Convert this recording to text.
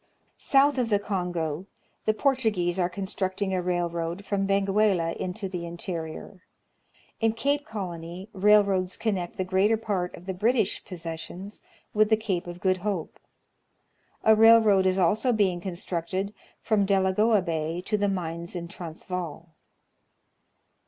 South of the Kongo, the Portuguese are constructing a rail road from Benguela into the interior. In Cape Colony railroads connect the greater part of the British possessions with the Cape of Good Hope. A railroad is also being constructed from Delagoa Bay to the mines in Transvaal.